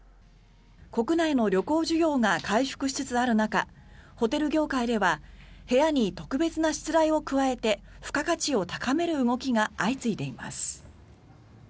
国内の旅行需要が回復しつつある中ホテル業界では部屋に特別なしつらいを加えて付加価値を高める動きが相次いでいます。